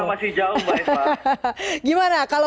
masih jauh mbak isma